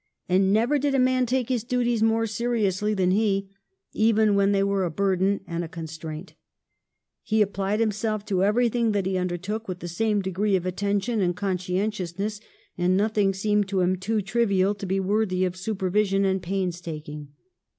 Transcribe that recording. And never did a man take his duties more seriously than he, even when they were a burden and a con straint. He applied himself to everything that he undertook with the same degree of attention and conscientiousness, and nothing seemed to him too trivial to be worthy of supervision and painstaking.